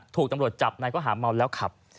ถูกตำรวจจับนายก็หาเมาแล้วครับ